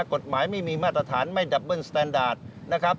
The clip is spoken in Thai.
กฎหมายไม่มีมาตรฐานไม่ดับเบิ้สแตนดาร์ดนะครับ